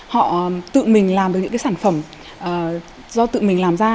họ tự mình làm được những cái sản phẩm do tự mình làm ra